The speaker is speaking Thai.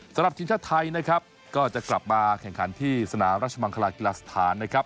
สำหรับทีมชาติไทยนะครับก็จะกลับมาแข่งขันที่สนามราชมังคลากีฬาสถานนะครับ